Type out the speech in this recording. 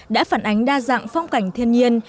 đã phản ánh đa dạng phong cảnh thiên nhiên